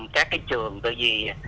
các cái trường từ gì